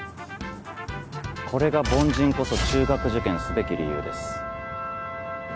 これが凡人こそ中学受験すべき理由です。